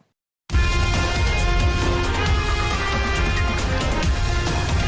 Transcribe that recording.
สวัสดีครับ